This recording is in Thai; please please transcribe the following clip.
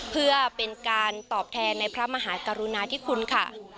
เพื่อเป็นการตอบแทนในพระมหากรุณาธิคุณค่ะ